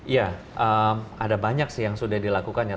ya ada banyak sih yang sudah dilakukan ya